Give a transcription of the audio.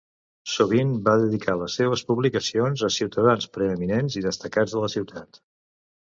Sovint va dedicar les seves publicacions a ciutadans preeminents i destacats de la ciutat.